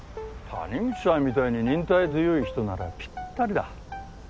谷口さんみたいに忍耐強い人ならピッタリだ。